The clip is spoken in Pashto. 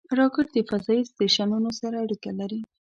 راکټ د فضایي سټیشنونو سره اړیکه لري